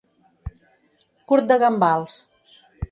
Curt de gambals.